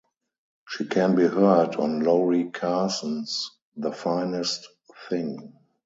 She can be heard on Lori Carson's "The Finest Thing".